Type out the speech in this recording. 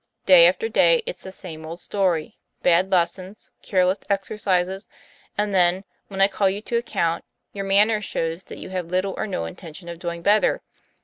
Day after day, it's the same old story, bad lessons, careless exercises, and then when I call you to ac count, your manner shows that you have little or no intention of doing better.